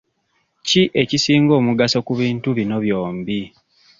Ki ekisinga omugaso ku bintu bino byombi?